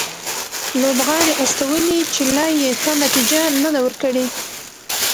لوبغاړي استولي چې لا یې ښه نتیجه نه ده ورکړې